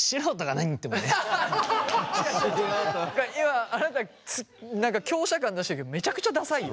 何か今あなた何か強者感出してるけどめちゃくちゃダサいよ。